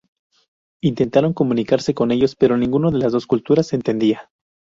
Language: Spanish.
Intentaron comunicarse con ellos pero ninguno de las dos culturas se entendía.